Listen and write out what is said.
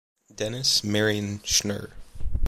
Dennis Marion Schnurr.